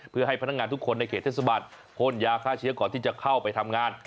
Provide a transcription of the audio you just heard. เพื่อให้พนักงานทุกคนในเขตเทศบาลพ่นยาฆ่าเชื้อก่อนที่จะเข้าไปทำงาน